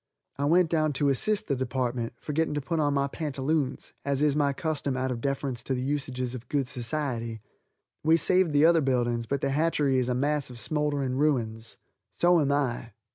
I went down to assist the department, forgetting to put on my pantaloons as is my custom out of deference to the usages of good society. We saved the other buildings, but the hatchery is a mass of smoldering ruins. So am I.